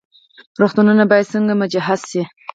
روغتونونه باید څنګه مجهز شي؟